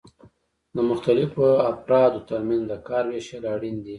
د مختلفو افرادو ترمنځ د کار ویشل اړین دي.